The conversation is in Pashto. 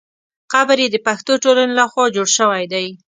قبر یې د پښتو ټولنې له خوا جوړ شوی دی.